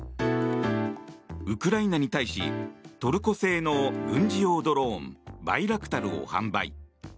ウクライナに対しトルコ製の軍事用ドローンバイラクタルを販売。